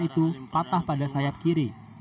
itu patah pada sayap kiri